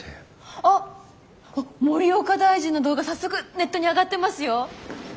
あっ森岡大臣の動画早速ネットに上がってますよ。